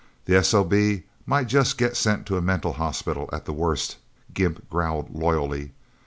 "The S.O.B. might just get sent to a mental hospital at the worst," Gimp growled loyally.